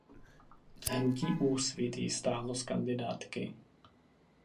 Hnutí Úsvit ji stáhlo z kandidátky.